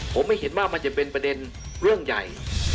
ผมไม่เห็นว่ามันจะเป็นประเด็นเรื่องใหญ่